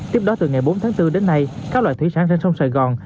tiếp đó từ ngày bốn tháng bốn đến nay các loại thủy sản trên sông sài gòn